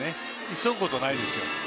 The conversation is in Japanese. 急ぐことないですよ。